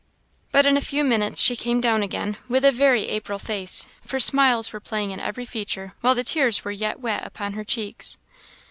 But in a few minutes she came down again, with a very April face, for smiles were playing in every feature, while the tears were yet wet upon her cheeks.